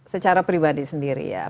secara pribadi sendiri ya